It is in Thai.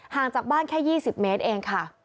จากบ้านแค่๒๐เมตรเองค่ะ